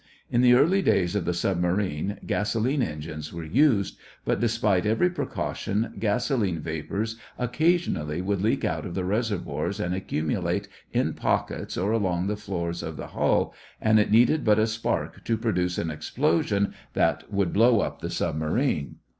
In the earlier days of the submarine gasolene engines were used, but despite every precaution, gasolene vapors occasionally would leak out of the reservoirs and accumulate in pockets or along the floors of the hull, and it needed but a spark to produce an explosion that would blow up the submarine.